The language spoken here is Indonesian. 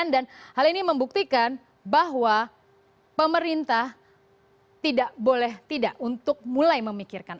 dan hal ini membuktikan bahwa pemerintah tidak boleh tidak untuk mulai memikirkan